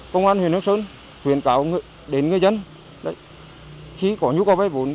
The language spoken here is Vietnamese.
công an huyện hương sơn khuyên cảo đến người dân khi có nhu cầu vay vốn